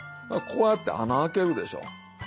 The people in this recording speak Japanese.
こうやって穴開けるでしょ。